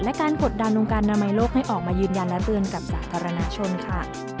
และการกดดันองค์การอนามัยโลกให้ออกมายืนยันและเตือนกับสาธารณชนค่ะ